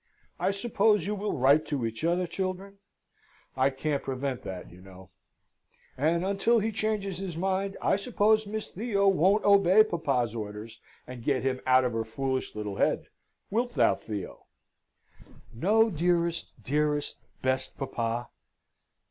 I suppose you will write to each other, children? I can't prevent that, you know; and until he changes his mind, I suppose Miss Theo won't obey papa's orders, and get him out of her foolish little head. Wilt thou, Theo?" "No, dearest, dearest, best papa!"